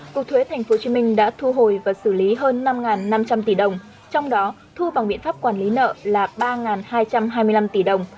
cục thuế tp hcm đã thu hồi và xử lý hơn năm năm trăm linh tỷ đồng trong đó thu bằng biện pháp quản lý nợ là ba hai trăm hai mươi năm tỷ đồng